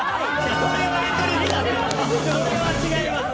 それは違います。